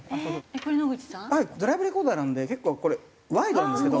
ドライブレコーダーなので結構これワイドなんですけど。